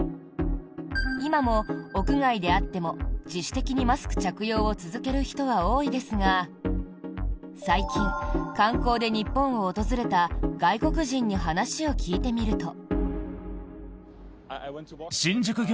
今も、屋外であっても自主的にマスク着用を続ける人は多いですが最近、観光で日本を訪れた外国人に話を聞いてみると。